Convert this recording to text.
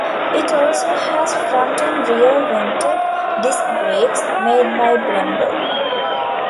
It also has front and rear vented disc brakes made by Brembo.